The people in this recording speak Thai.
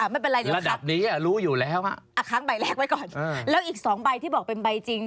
ไม่เป็นไรหรือครับอ่ะค้างใบแรกไว้ก่อนแล้วอีก๒ใบที่บอกเป็นใบจริง